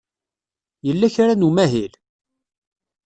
Yella kra n umahil?